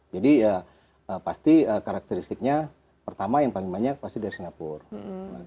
jadi ya pasti karakteristiknya pertama yang paling banyak pasti dari singapura